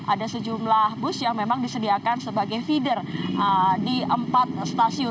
ada sejumlah bus yang memang disediakan sebagai feeder di empat stasiun